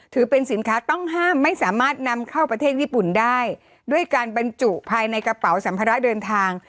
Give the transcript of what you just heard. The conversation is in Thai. ถือเป็นสินค้าต้องห้ามไม่สามารถนำเข้าประเทศญี่ปุ่นได้ด้วยการบรรจุภายในกระเป๋าสัมภาระเดินทาง